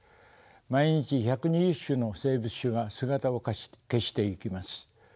毎日１２０種の生物種が姿を消していきます。